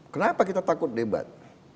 kenapa kita takut debat